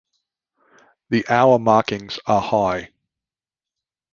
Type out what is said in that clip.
The hour markings are high.